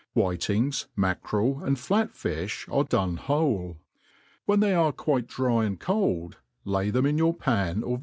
>Vhitings, mackarel, and flat fifb, are done whole, y^hen they are quite dry and cold, lay them' in your pan or